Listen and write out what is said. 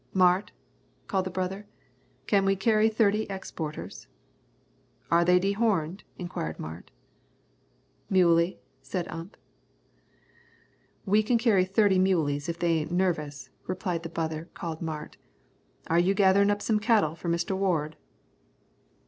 "Mart," called the brother, "can we carry thirty exporters?" "Are they dehorned?" inquired Mart. "Muley," said Ump. "We can carry thirty muleys if they ain't nervous," replied the brother called Mart. "Are you gatherin' up some cattle for Mister Ward?"